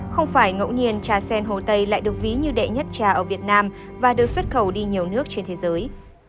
không phải ngẫu nhiên trà sen hồ tây lại được ví như đệ nhất trà ở việt nam và được xuất khẩu đi nhiều nước trên thế giới